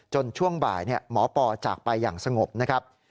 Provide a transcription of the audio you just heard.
ช่วงบ่ายหมอปอจากไปอย่างสงบนะครับ